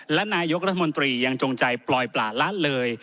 และนายกรัฐมนตรียังจงใจปล่อยปลาละเลย